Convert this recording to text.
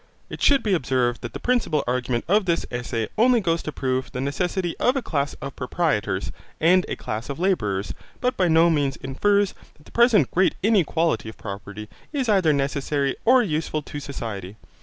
It should be observed that the principal argument of this Essay only goes to prove the necessity of a class of proprietors, and a class of labourers, but by no means infers that the present great inequality of property is either necessary or useful to society.